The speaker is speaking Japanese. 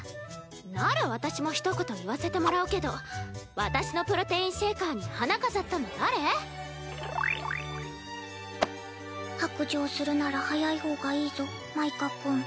なら私もひと言言わせてもらうけど私のプロテインシェーカーに花飾ったの誰？白状するなら早い方がいいぞ舞花君。